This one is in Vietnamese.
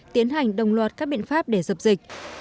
tiến hành đồng loạt các biện pháp để dập dịch